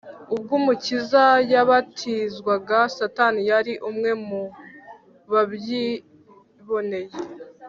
Ubwo Umukiza yabatizwaga, Satani yari umwe mu babyiboneye.